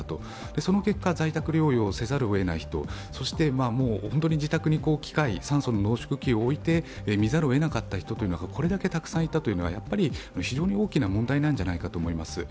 その結果、在宅療養せざるをえなかった人、そして本当に自宅に機械、酸素濃縮器を置いて診ざるを得なかった人というのがこれだけたくさんいたというのは非常に大きな問題なんじゃないかと思います。